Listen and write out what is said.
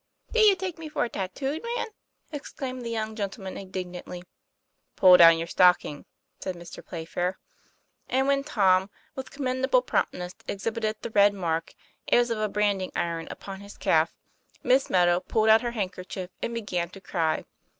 ' Do you take me for a tattooed man ?" exclaimed the young gentleman indignantly. 'Pull down your stocking," said Mr. Playfair. And when Tom with commendable promptness exhibited the red mark, as of a branding iron, upon his calf, Miss Meadow pulled out her handkerchief and began to cry.